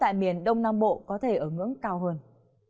hãy xem phim này và hãy đăng ký kênh để ủng hộ kênh mình nhé